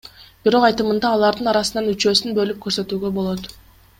Бирок айтымында, алардын арасынан үчөөсүн бөлүп көрсөтүүгө болот.